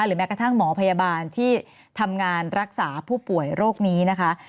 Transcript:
แม้กระทั่งหมอพยาบาลที่ทำงานรักษาผู้ป่วยโรคนี้นะคะ